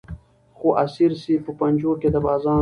خو اسیر سي په پنجو کي د بازانو